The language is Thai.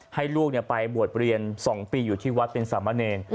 ให้ลูกไปบวชเรียน๒ปีอยู่ที่วัดเป็นสามะเนร